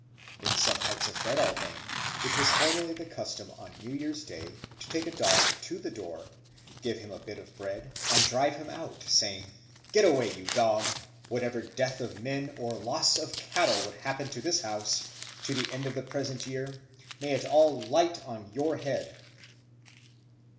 In some parts of Breadalbane it was formerly the custom on New Year's Day to take a dog to the door, give him a bit of bread, and drive him out, saying, "Get away, you dog! Whatever death of men or loss of cattle would happen in this house to the end of the present year, may it all light on your head!"